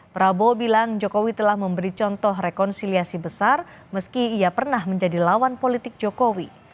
prabowo bilang jokowi telah memberi contoh rekonsiliasi besar meski ia pernah menjadi lawan politik jokowi